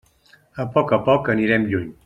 A poc a poc anirem lluny.